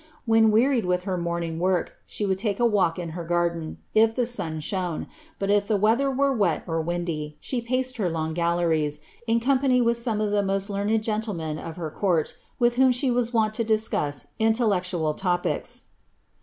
When we Tied with her morning work, she would lake a walk in her garden, if tl sun shone, but if the weather were wet or tvindy. she paced her loi galleries, in company with some of the most learned gentlemen of b court, with whom she was woni to discuss inielleclual topics.